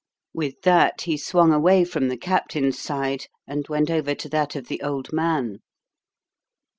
With that he swung away from the Captain's side and went over to that of the old man.